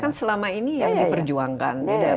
kan selama ini yang diperjuangkan